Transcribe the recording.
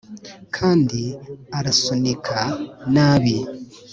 kandi arasunika nabi